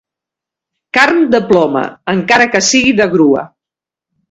Carn de ploma, encara que sigui de grua.